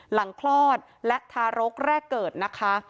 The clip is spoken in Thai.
คลอดและทารกแรกเกิดนะคะ